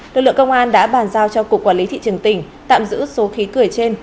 lực lượng công an đã bàn giao cho cục quản lý thị trường tỉnh tạm giữ số khí cười trên